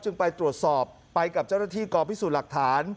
ไปตรวจสอบไปกับเจ้าหน้าที่กองพิสูจน์หลักฐาน